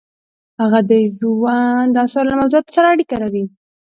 د هغه ژوند د اثارو له موضوعاتو سره اړیکه لري.